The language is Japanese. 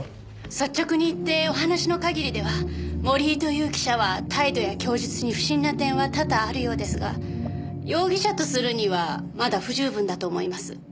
率直に言ってお話の限りでは森井という記者は態度や供述に不審な点は多々あるようですが容疑者とするにはまだ不十分だと思います。